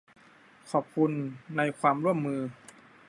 ขอขอบคุณในความร่วมมือ